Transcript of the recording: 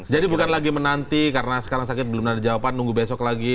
bukan lagi menanti karena sekarang sakit belum ada jawaban nunggu besok lagi